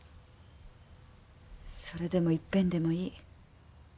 それでもいっぺんでもいい。